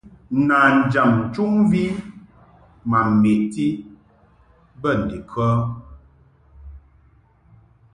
Nanjam nchuʼmvi ma meʼti bə ndikə ?